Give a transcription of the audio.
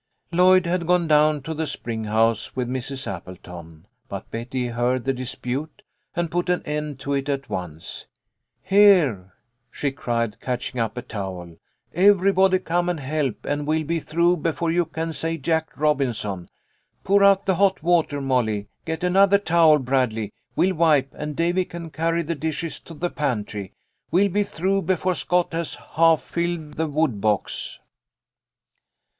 Lloyd had gone down to the spring house with Mrs. Appleton, but Betty heard the dispute and put an end to it at once. " Here !" she cried, catching 710 BARLE Y BRIGHT." 5 5 up a towel. " Everybody come and help, and we'll be through before you can say Jack Robinson. Pour out the hot water, Molly. Get another towel, Brad ley. We'll wipe, and Davy can carry the dishes to the pantry. We'll be through before Scott has half rilled the wood box."